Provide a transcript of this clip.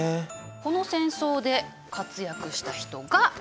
この戦争で活躍した人がこの人です。